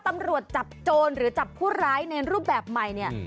ตำรวจจับโจรหรือจับผู้ร้ายในรูปแบบใหม่เนี่ย